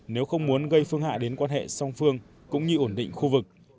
nếu không muốn gây phương hại đến quan hệ song phương cũng như ổn định khu vực